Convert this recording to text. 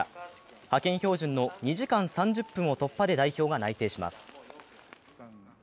派遣標準の２時間３０分を突破で代表が内定します。